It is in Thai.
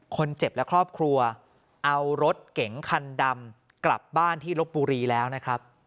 คนเจ็บและครอบครัวเอารถเก๋งคันดำกลับบ้านที่ลบบุรีแล้วนะครับ